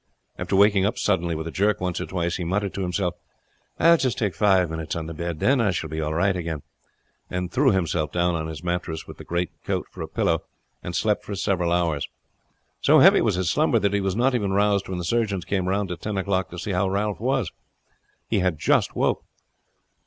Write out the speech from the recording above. After waking up suddenly with a jerk once or twice, he muttered to himself, "I will just take five minutes on the bed, then I shall be all right again," and threw himself down on his mattress with his greatcoat for a pillow, and slept for several hours. So heavy was his slumber that he was not even roused when the surgeons came round at ten o'clock to see how Ralph was. He had just woke.